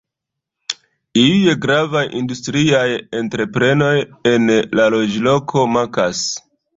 Iuj gravaj industriaj entreprenoj en la loĝloko mankas.